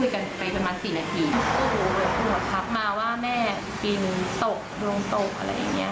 ก็เลยต้องมานั่งนึกถึงเขา